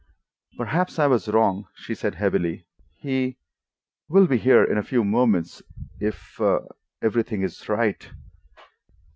"Perhaps I was wrong," she said heavily. "He—will be here in a few moments if—everything is right."